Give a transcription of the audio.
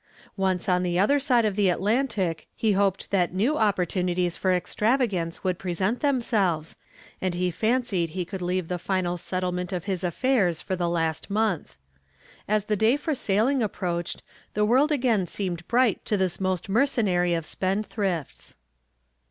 Once on the other side of the Atlantic, he hoped that new opportunities for extravagance would present themselves, and he fancied he could leave the final settlement of his affairs for the last month. As the day for sailing approached, the world again seemed bright to this most mercenary of spendthrifts.